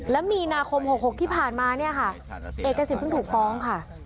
แล้วมีนาคม๖๖ที่ผ่านมาเนี่ยค่ะเอกสิทธเพิ่งถูกฟ้องค่ะ